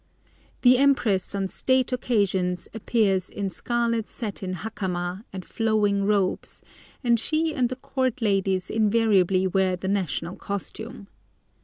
The Empress on State occasions appears in scarlet satin hakama, and flowing robes, and she and the Court ladies invariably wear the national costume.